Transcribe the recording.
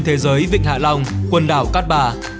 thế giới vịnh hạ long quần đảo cát bà